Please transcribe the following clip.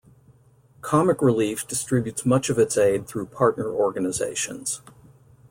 Comic Relief distributes much of its aid through partner organisations.